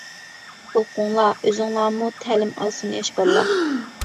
ئوقۇڭلار ئۆزۈڭلارمۇ، تەلىم ئالسۇن ياش باللا.